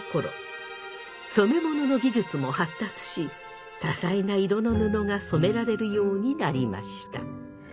染め物の技術も発達し多彩な色の布が染められるようになりました。